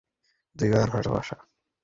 দুই বাবার ভালবাসা।